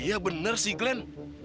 iya bener sih glenn